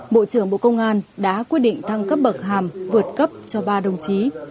bộ trưởng bộ công an đã quyết định thăng cấp bậc hàm vượt cấp cho ba đồng chí